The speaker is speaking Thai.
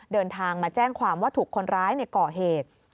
เดินทางมาแจ้งความว่าถูกคนร้ายก่อเหตุ